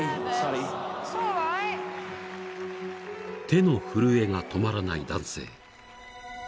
［手の震えが止まらない男性］